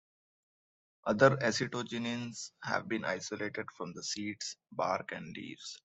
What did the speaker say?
Other acetogenins have been isolated from the seeds, bark, and leaves.